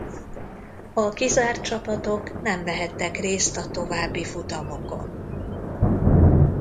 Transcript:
A kizárt csapatok nem vehettek részt a további futamokon.